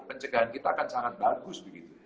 pencegahan kita akan sangat bagus begitu